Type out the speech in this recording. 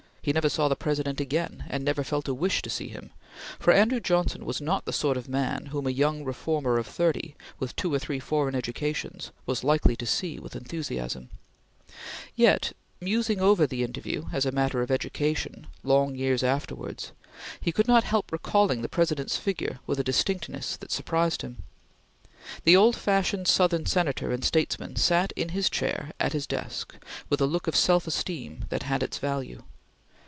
He never saw the President again, and never felt a wish to see him, for Andrew Johnson was not the sort of man whom a young reformer of thirty, with two or three foreign educations, was likely to see with enthusiasm; yet, musing over the interview as a matter of education, long years afterwards, he could not help recalling the President's figure with a distinctness that surprised him. The old fashioned Southern Senator and statesman sat in his chair at his desk with a look of self esteem that had its value.